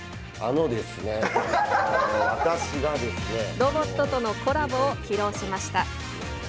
ロボットとのコラボを披露しました。